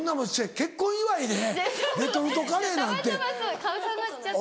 結婚祝いでレトルトカレーなんて。